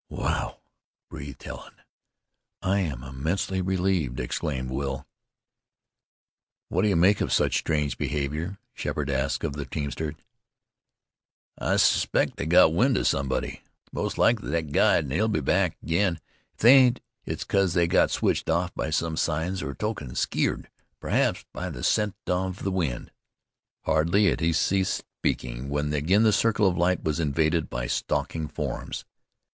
"Well!" breathed Helen. "I am immensely relieved!" exclaimed Will. "What do you make of such strange behavior?" Sheppard asked of the teamster. "I'spect they got wind of somebody; most likely thet guide, an'll be back again. If they ain't, it's because they got switched off by some signs or tokens, skeered, perhaps, by the scent of the wind." Hardly had he ceased speaking when again the circle of light was invaded by stalking forms.